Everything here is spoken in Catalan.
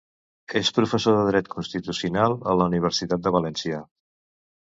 És professor de dret constitucional a la Universitat de València.